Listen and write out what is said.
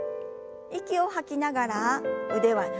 息を吐きながら腕は斜め下。